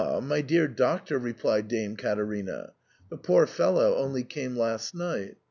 my dear Doctor," replied Dame Caterina, "the poor fellow only came last night.